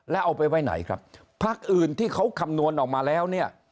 แล้วเอาไปไว้ไหนครับพักอื่นที่เขาคำนวณออกมาแล้วเนี่ย